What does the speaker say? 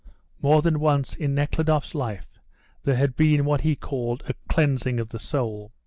More than once in Nekhludoff's life there had been what he called a "cleansing of the soul."